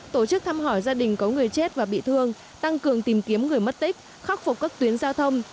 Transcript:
tổ chức thăm hỏi gia đình có người chết và bị thương tăng cường tìm kiếm người mất tích khắc phục các tuyến giao thông